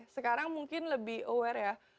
sekarang mungkin lebih aware ya